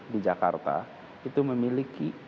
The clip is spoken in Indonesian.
di jakarta itu memiliki